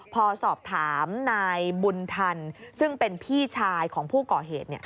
พอสอบถามนายบุญทันซึ่งเป็นพี่ชายของผู้ก่อเหตุ